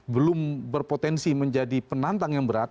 belum berpotensi menjadi penantang yang berat